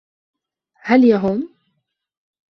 هل يهم؟